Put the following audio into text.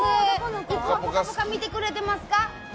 いつも「ぽかぽか」見てくれてますか。